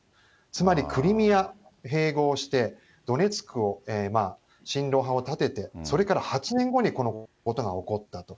つまりクリミア併合して、ドネツクを、親ロ派を立てて、それから８年後にこのことが起こったと。